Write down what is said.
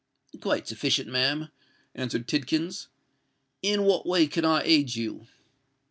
"Quite sufficient, ma'am," answered Tidkins. "In what way can I aid you?"